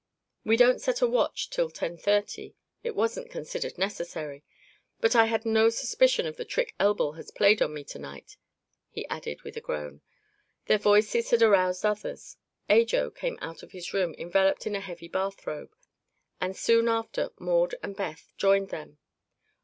"We don't set a watch till ten thirty. It wasn't considered necessary. But I had no suspicion of the trick Elbl has played on me to night," he added with a groan. Their voices had aroused others. Ajo came out of his room, enveloped in a heavy bathrobe, and soon after Maud and Beth joined them.